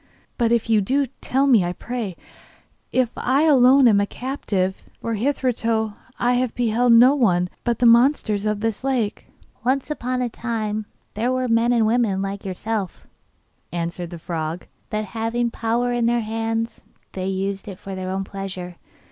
'But if you do, tell me, I pray, if I alone am a captive, for hitherto I have beheld no one but the monsters of the lake.' 'Once upon a time they were men and women like yourself,' answered the frog, 'but having power in their hands, they used it for their own pleasure.